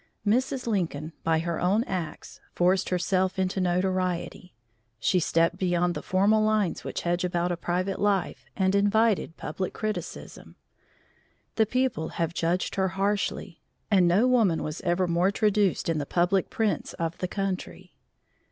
Mrs. Lincoln, by her own acts, forced herself into notoriety. She stepped beyond the formal lines which hedge about a private life, and invited public criticism. The people have judged her harshly, and no woman was ever more traduced in the public prints of the country.